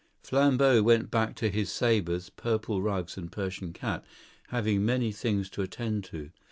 Flambeau went back to his sabres, purple rugs and Persian cat, having many things to attend to.